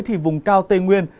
thì vùng cao tây nguyên